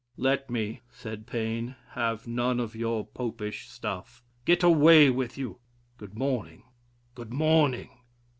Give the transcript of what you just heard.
"Let me," said Paine, "have none of your Popish stuff; get away with you; good morning, good morning."